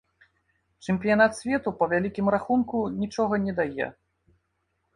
Чэмпіянат свету, па вялікім рахунку, нічога не дае.